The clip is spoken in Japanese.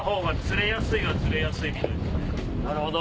なるほど。